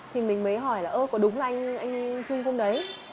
thì mình mới hỏi là ơ có đúng là anh trung không đấy